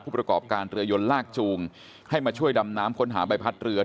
ประกอบการเรือยนลากจูงให้มาช่วยดำน้ำค้นหาใบพัดเรือ